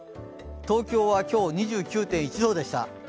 東京は今日２９．１度でした。